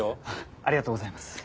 ありがとうございます。